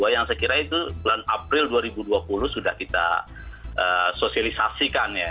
yang saya kira itu bulan april dua ribu dua puluh sudah kita sosialisasikan ya